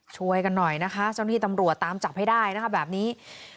ช่วยกันหน่อยนะคะช่องที่ตำรวจตามจับให้ได้นะครับแบบนี้